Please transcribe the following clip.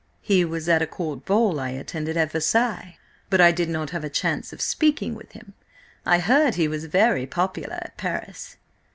"He was at a court ball I attended at Versailles, but I did not have a chance of speaking with him. I heard he was very popular at Paris."